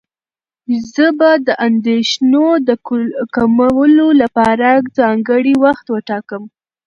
زه به د اندېښنو د کمولو لپاره ځانګړی وخت وټاکم.